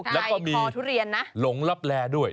ถูกอ่ะอีกคอทุเรียนนะแล้วก็มีหลงลับแร่ด้วย